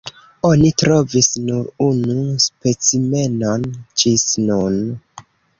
Oni trovis nur unu specimenon ĝis nun.